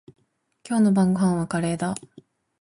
今日の晩ごはんはカレーだ。